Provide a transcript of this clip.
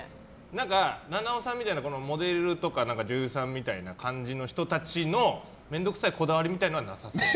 菜々緒さんみたいなモデルとか女優さんみたいな感じの人たちの面倒くさいこだわりみたいなのはなさそう。